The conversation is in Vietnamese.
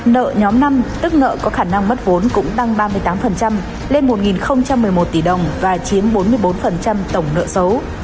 nợ nhóm năm tức nợ có khả năng mất vốn cũng tăng ba mươi tám lên một một mươi một tỷ đồng và chiếm bốn mươi bốn tổng nợ xấu